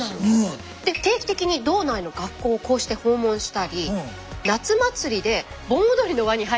定期的に道内の学校をこうして訪問したり夏祭りで盆踊りの輪に入ったりと。